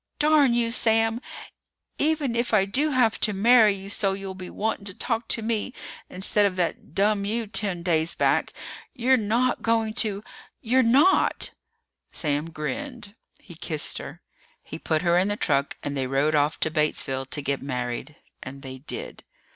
"Darn you, Sam! Even if I do have to marry you so you'll be wanting to talk to me instead of that dumb you ten days back, you're not going to you're not " Sam grinned. He kissed her. He put her in the truck and they rode off to Batesville to get married. And they did.